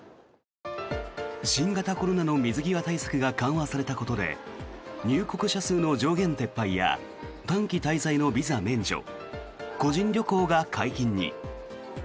新型コロナの水際対策が緩和されたことで入国者数の上限撤廃や短期滞在のビザ免除個人旅行が解禁に。